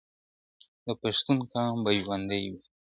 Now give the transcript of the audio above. دپښتون قام به ژوندی وي ,